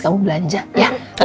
kamu belanja ya